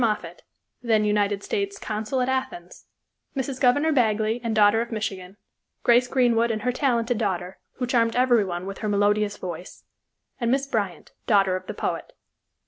Moffett, then United States Consul at Athens, Mrs. Governor Bagley and daughter of Michigan; Grace Greenwood and her talented daughter, who charmed everyone with her melodious voice, and Miss Bryant, daughter of the poet.